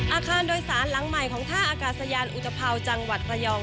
อาคารโดยสารหลังใหม่ของท่าอากาศยานอุตภาวจังหวัดระยอง